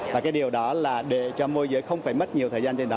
và cái điều đó là để cho môi giới không phải mất nhiều thời gian trên đó